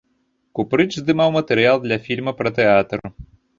Купрыч здымаў матэрыял для фільма пра тэатр.